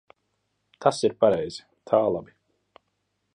Tas ir pareizi. Tā labi.